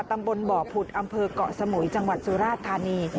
ตำบลบ่อผุดอำเภอกเกาะสมุยจังหวัดสุราชธานี